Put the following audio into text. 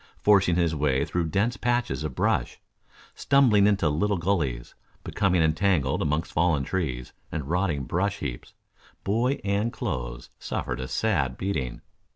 Forcing his way through dense patches of brush, stumbling into little gullies, becoming entangled amongst fallen trees and rotting brush heaps, boy and clothes suffered a sad beating.